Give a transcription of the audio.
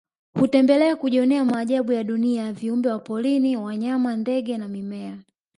Hutembelea kujionea maajabu ya dunia viumbe wa porini wanyama ndege na mimea